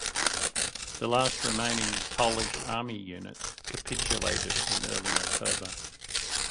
The last remaining Polish Army units capitulated in early October.